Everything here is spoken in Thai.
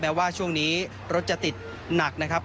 ว่าช่วงนี้รถจะติดหนักนะครับ